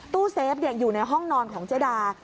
ตู้เซฟอยู่ในห้องนอนของเจดา